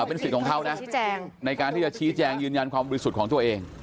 เป็นสิทธิ์ของเขานะชี้แจงในการที่จะชี้แจงยืนยันความบริสุทธิ์ของตัวเอง